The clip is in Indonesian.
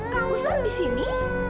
kok kak gustaf di sini